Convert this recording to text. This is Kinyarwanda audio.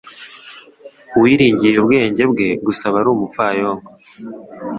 Uwiringira ubwenge bwe gusa aba ari umupfayongo